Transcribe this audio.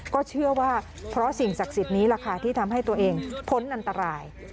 ก็เชื่อว่าเพราะสิ่งศักดิ์สิทธิ์นี้แหละค่ะที่ทำให้ตัวเองพ้นอันตราย